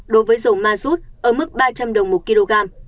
đối với dầu ma rút ở mức ba trăm linh đồng một kg